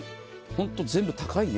本当、全部高いね。